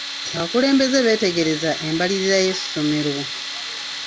Abakulembeze beetegerezza embalirira y'essomero.